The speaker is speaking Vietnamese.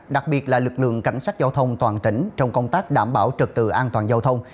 đặc biệt là lực lượng cảnh sát giao thông toàn tỉnh trong công tác đảm bảo trật tự an toàn giao thông